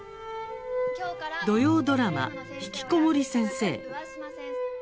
土曜ドラマ「ひきこもり先生」。